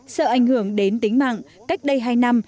sợ ảnh hưởng đến tính mạng cách đây hai năm